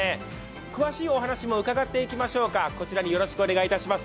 詳しいお話も伺っていきましょうか。